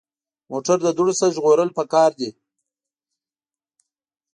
موټر د دوړو نه ژغورل پکار دي.